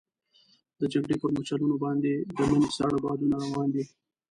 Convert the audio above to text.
د جګړې پر مورچلونو باندې د مني ساړه بادونه روان دي.